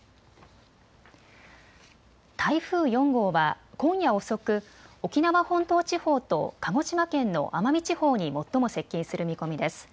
台風４号は今夜遅く沖縄本島地方と鹿児島県の奄美地方に最も接近する見込みです。